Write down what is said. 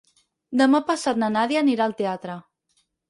Demà passat na Nàdia anirà al teatre.